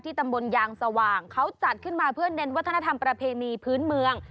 ตำบลยางสว่างเขาจัดขึ้นมาเพื่อเน้นวัฒนธรรมประเพณีพื้นเมือง